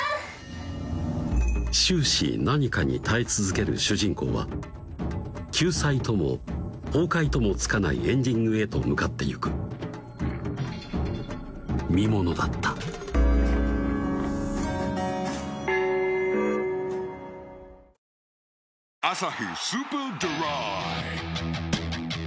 終始何かに耐え続ける主人公は救済とも崩壊ともつかないエンディングへと向かってゆく見ものだった「アサヒスーパードライ」